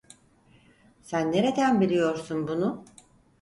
Sen nereden biliyorsun bunu?